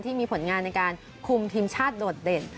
ที่มีผลงานในการคุมทีมชาติโดดเด่น